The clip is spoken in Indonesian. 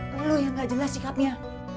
lu lu yang gak jelas sikapnya